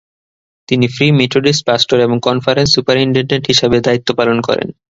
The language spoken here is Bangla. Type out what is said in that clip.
তিনি ফ্রি মেথোডিস্ট পাস্টর এবং কনফারেন্স সুপারিনটেনডেন্ট হিসেবেও দায়িত্ব পালন করেন।